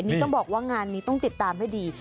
นี่ต้องบอกว่างานนี้ต้องติดตามให้ดี